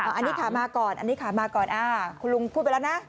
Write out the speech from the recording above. อันนี้ขามาก่อนอันนี้ขามาก่อนคุณลุงพูดไปแล้วนะ